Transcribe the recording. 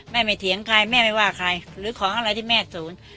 ไม่เถียงใครแม่ไม่ว่าใครหรือของอะไรที่แม่ศูนย์